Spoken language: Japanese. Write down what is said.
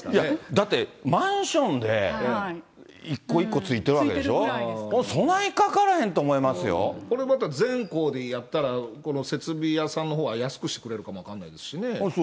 だって、マンションで一個一個ついてるわけでしょ、これまた全校でやったら、この設備屋さんのほうは安くしてくれるかも分かんないですしね。